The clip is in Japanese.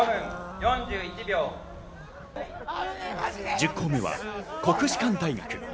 １０校目は国士舘大学。